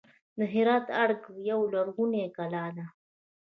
د هرات ارګ یوه لرغونې کلا ده